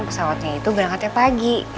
pesawatnya itu berangkatnya pagi